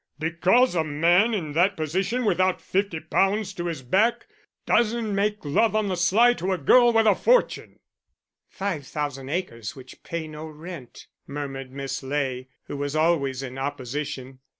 Because a man in that position without fifty pounds to his back doesn't make love on the sly to a girl with a fortune." "Five thousand acres which pay no rent," murmured Miss Ley, who was always in opposition.